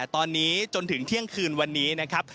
ตอนนี้จนถึงเที่ยงคืนวันนี้นะครับ